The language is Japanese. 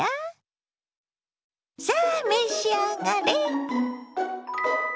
さあ召し上がれ！